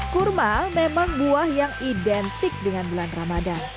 kurma memang buah yang identik dengan bulan ramadan